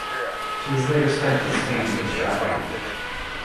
She was later sent to Spain for scrapping.